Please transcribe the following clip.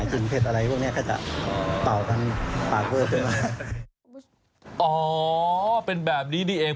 หากินเผ็ดอะไรพวกเนี้ยเขาจะเป่ากันปากเวอร์เจอนะครับอ๋อเป็นแบบนี้นี่เอง